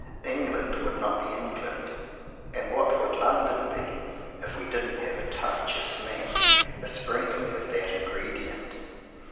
England would not be England and what would London be? if we didn't have a touch, a smack, a sprinkling of that ingredient!